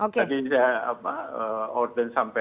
tadi udah orden sampai